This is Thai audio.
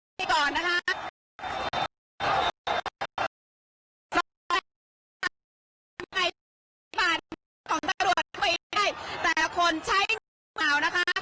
สำหรับในของตำรวจไม่ได้แต่คนใช้นะคะ